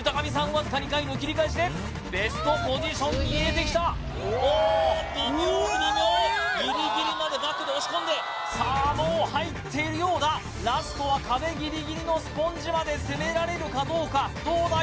わずか２回の切り返しでベストポジションに入れてきたおっ微妙微妙ギリギリまでバックで押し込んでさあもう入っているようだラストは壁ギリギリのスポンジまで攻められるかどうかどうだ？